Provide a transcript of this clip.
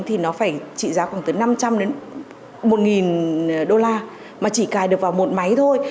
thì nó phải trị giá khoảng từ năm trăm linh đến một đô la mà chỉ cài được vào một máy thôi